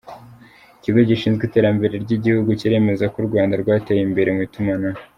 Ikigo gishinzwe iterambere ryigihugu kiremeza ko u Rwanda rwateye imbere mwitumanaho